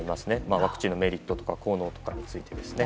ワクチンのメリットとか効能とかについてですね。